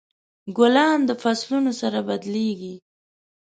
ګلان د فصلونو سره بدلیږي.